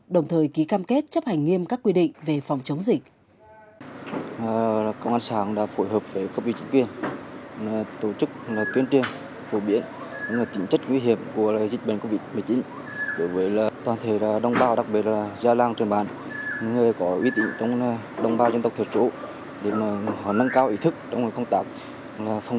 đồng thời cũng đã thực hiện lễ phát động tuyên truyền cho bà con đặc biệt là những người có uy tín trong làng